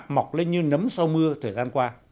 mọc lên như nấm sau mưa thời gian qua